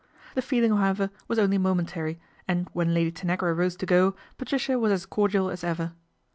The feeling, however, was only momentary and, when Lady Tanagra rose to go, Patricia was as cordial as ever.